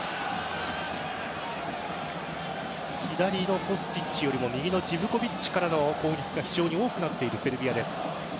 左のコスティッチよりも右のジヴコヴィッチからの攻撃が非常に多くなっているセルビア。